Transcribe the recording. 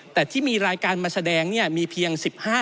แต่ที่มีรายการมาแสดงมีเพียง๑๕